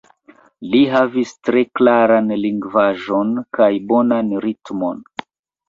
Li havis tre klaran lingvaĵon kaj bonan ritmon.